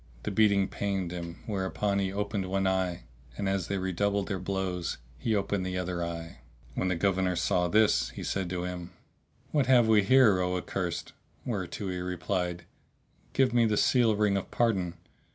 The beating pained him, whereupon he opened one eye and, as they redoubled their blows, he opened the other eye. When the Governor saw this he said to him, "What have we here, O accursed?"; whereto he replied, "Give me the seal ring of pardon!